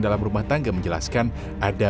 dalam rumah tangga menjelaskan ada